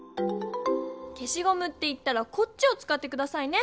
けしごむっていったらこっちをつかってくださいね！